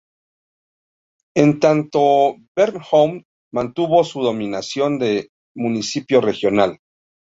En tanto, Bornholm mantuvo su denominación de "municipio regional".